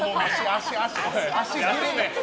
足、足。